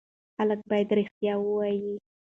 خلک باید رښتیا ووایي.